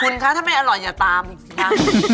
คุณคะถ้าไม่อร่อยอย่าตามสิคะ